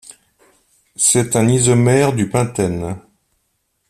C'est un isomère du pentène.